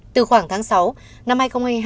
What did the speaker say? từ khoảng tháng sáu năm hai nghìn hai mươi hai